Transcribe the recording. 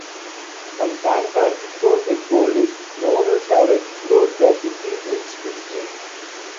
Some San Francisco-set police novels have explored The City's rich history.